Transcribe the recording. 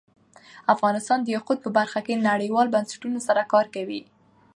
افغانستان د یاقوت په برخه کې نړیوالو بنسټونو سره کار کوي.